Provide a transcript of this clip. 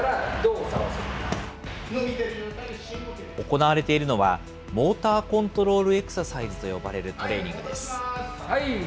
行われているのは、モーターコントロールエクササイズと呼ばれるトレーニングです。